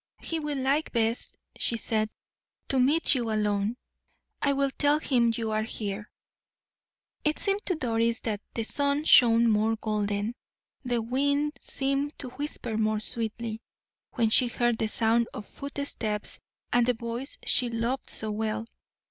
"He will like best," she said, "to meet you alone. I will tell him your are here." It seemed to Doris that the sun shone more golden, the wind seemed to whisper more sweetly, when she heard the sound of footsteps and the voice she loved so well.